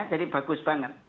jadi bagus banget